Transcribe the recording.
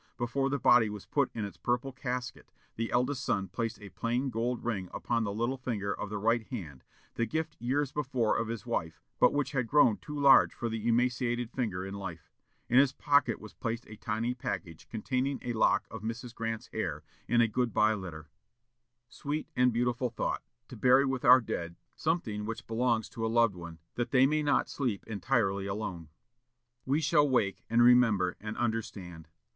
Before the body was put in its purple casket, the eldest son placed a plain gold ring upon the little finger of the right hand, the gift years before of his wife, but which had grown too large for the emaciated finger in life. In his pocket was placed a tiny package containing a lock of Mrs. Grant's hair, in a good bye letter. Sweet and beautiful thought, to bury with our dead something which belongs to a loved one, that they may not sleep entirely alone! "We shall wake, and remember, and understand."